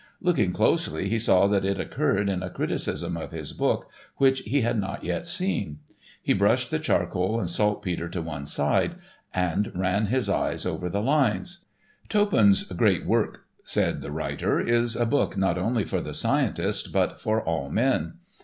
Looking closely he saw that it occurred in a criticism of his book which he had not yet seen. He brushed the charcoal and saltpeter to one side and ran his eyes over the lines: "Toppan's great work," said the writer, "is a book not only for the scientist but for all men.